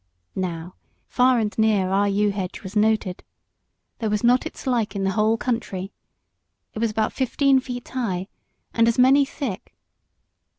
Now, far and near, our yew hedge was noted. There was not its like in the whole country. It was about fifteen feet high, and as many thick.